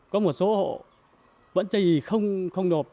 có một số hộ vẫn chơi gì không nộp